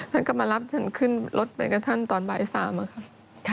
ท่านก็มารับฉันขึ้นรถไปกับท่านตอนบ่าย๓ค่ะ